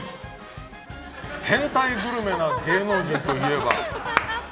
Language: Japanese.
変態グルメな芸能人といえば？